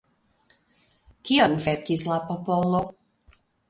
Kion verkis la popolo?